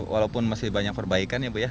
walaupun masih banyak perbaikan ya bu ya